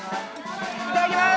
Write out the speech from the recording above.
いただきます！